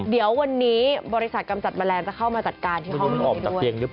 เดี๋ยววันนี้บริษัทกำจัดแมลงจะเข้ามากัดกาลที่ห้องมันได้ด้วย